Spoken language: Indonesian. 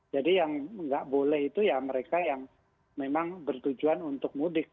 jadi yang nggak boleh itu ya mereka yang memang bertujuan untuk mudik